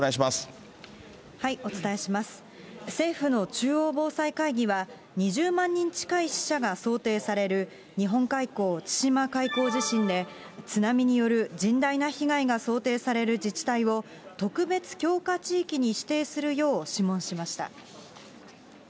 政府の中央防災会議は、２０万人近い死者が想定される、日本海溝・千島海溝地震で、津波による甚大な被害が想定される自治体を、特別強化地域に指定するよう諮問しました。